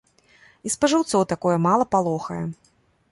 І спажыўцоў такое мала палохае.